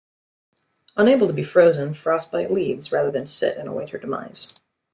Unable to be frozen, Frostbite leaves rather than sit and await her demise.